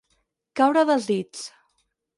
Caure dels dits.